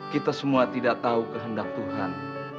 kita semua tidak tahu kehendak tuhan